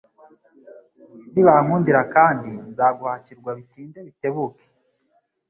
Nibankundira kandi nzaguhakirwa bitinde bitebuke